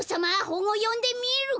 ほんをよんでみる！